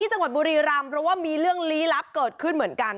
จังหวัดบุรีรำเพราะว่ามีเรื่องลี้ลับเกิดขึ้นเหมือนกัน